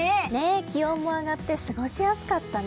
気温も上がって過ごしやすかったね。